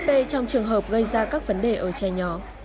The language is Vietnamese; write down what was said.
khuẩn hp trong trường hợp gây ra các vấn đề ở trẻ nhỏ